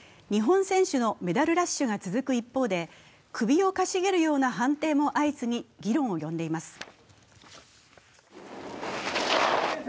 日本選手のメダルラッシュが続く一方で首をかしげるような判定も相次ぎ、議論を呼んでいます。